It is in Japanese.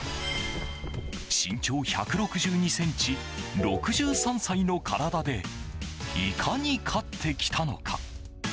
身長１６２ｃｍ、６３歳の体でいかに勝ってきたのか。